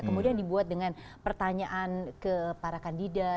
kemudian dibuat dengan pertanyaan ke para kandidat